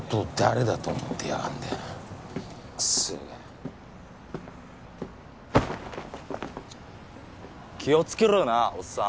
ちっ気を付けろよなおっさん。